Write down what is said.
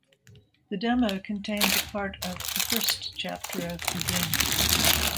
The Demo contains a part of the first chapter of the game.